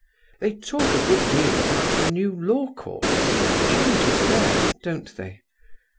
They talk a good deal about the new law courts, and changes there, don't they?"